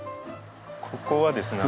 ここはですね